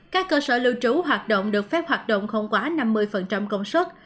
các cơ sở lưu trú hoạt động được phép hoạt động không quá năm mươi công suất